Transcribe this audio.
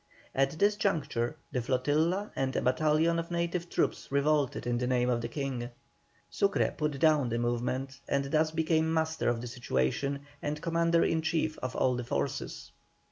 At this juncture the flotilla and a battalion of native troops revolted in the name of the King. Sucre put down the movement, and thus became master of the situation, and commander in chief of all the forces.